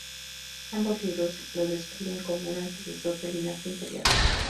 Ambos libros lo describen como un antecesor del linaje imperial.